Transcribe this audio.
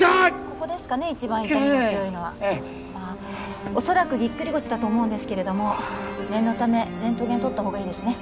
ここですかね一番痛みが強いのはおそらくぎっくり腰だと思うんですけれども念のためレントゲン撮った方がいいですね